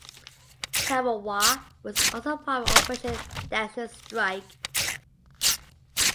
"Tarawa" was also part of "Operation Desert Strike".